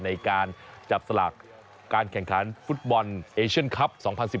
ในการจับสลากการแข่งขันฟุตบอลเอเชียนคลับ๒๐๑๙